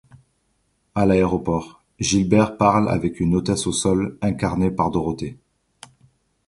À l'aéroport, Gilbert parle avec une hôtesse au sol incarnée par Dorothée.